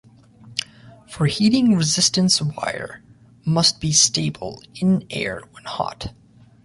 For heating, resistance wire must be stable in air when hot.